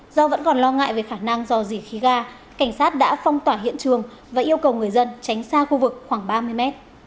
do vẫn còn lo ngại về khả năng do dỉ khí ga cảnh sát đã phong tỏa hiện trường và yêu cầu người dân tránh xa khu vực khoảng ba mươi mét